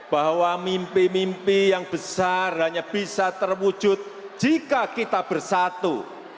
bahwa mimpi mimpi yang besar hanya bisa terwujud jika kita bersatu